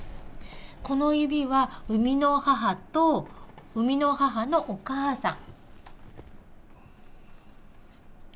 この指は生みの母と、生みの母のお母さん。